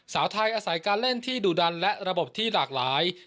สาวไทยอาศัยการเล่นที่ดุดันและระบบที่หลากหลาย